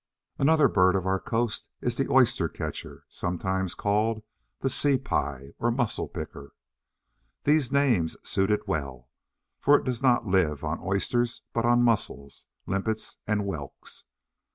Another bird of our coast is the Oyster catcher, sometimes called the "Sea pie" or Mussel picker. These names suit it well, for it does not live on oysters, but on mussels, limpets and whelks.